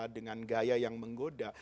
dengan gaya yang menggoda